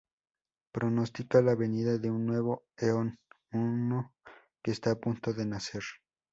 Pronostica la venida de un nuevo eón, uno que está a punto de nacer.